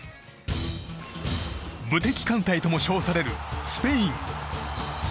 無敵艦隊とも称されるスペイン。